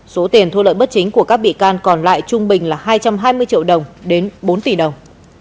số tiền thu lợi bất chính của các bị can còn lại trung bình là hai trăm hai mươi triệu đồng đến bốn tỷ đồng